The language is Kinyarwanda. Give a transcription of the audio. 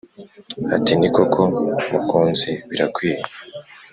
Ati"ni koko mukunzi birakwiye"